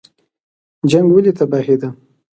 جنګ ولې تباهي ده؟